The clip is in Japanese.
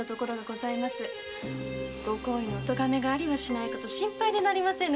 御公儀のお咎めがありはしないかと心配でなりませぬ。